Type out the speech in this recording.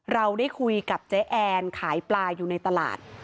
เราได้คุยกับเจ๊แอนขายปลาอยู่ในตลาด